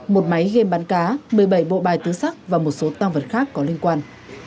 một máy game bắn cá một mươi bảy bộ bài tứ sắc và một số tăng vật khác có liên quan